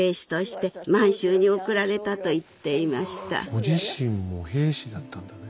ご自身も兵士だったんだね。